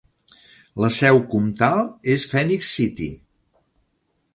La seu comtal és Phenix City.